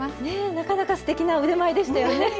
ねえなかなかすてきな腕前でしたよね？